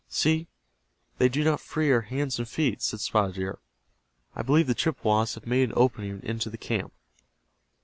"See, they do not free our hands and feet," said Spotted Deer. "I believe the Chippewas have made an opening into the camp."